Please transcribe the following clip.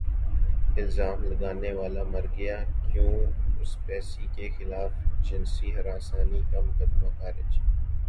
الزام لگانے والا مر گیا کیون اسپیسی کے خلاف جنسی ہراسانی کا مقدمہ خارج